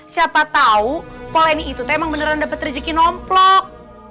siapa tahu poleni itu emang beneran dapat rezeki nomplok